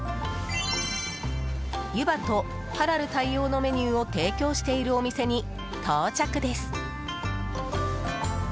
湯葉とハラル対応のメニューを提供しているお店に到着です。